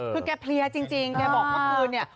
คือแกเพลียจริงแกบอกเมื่อคืนเนี่ย